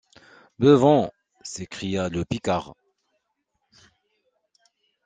Beuvons! s’escria le Picard.